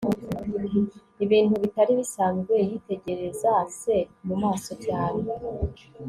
ibintu bitari bisanzwe, yitegereza se mumaso cyane